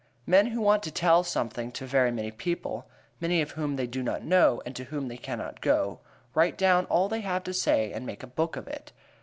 Men who want to tell something to very many people, many of whom they do not know and to whom they cannot go, write down all they have to say and make a book of it.